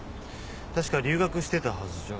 確か留学してたはずじゃ。